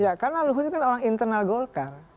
ya karena luhut ini kan orang internal golkar